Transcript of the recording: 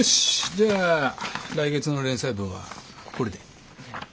じゃあ来月の連載分はこれで。